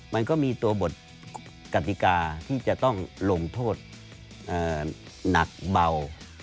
มันก็มีตัวบทกติกาที่จะต้องลงโทษหนักเบา